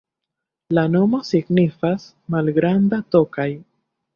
La nomo signifas: malgranda Tokaj.